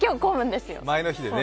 前の日でね。